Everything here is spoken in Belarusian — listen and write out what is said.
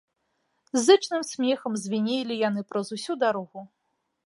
Зычным смехам звінелі яны праз усю дарогу.